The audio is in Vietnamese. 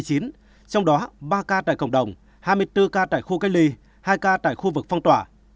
trong đó ba ca tại cộng đồng hai mươi bốn ca tại khu cách ly hai ca tại khu vực phong tỏa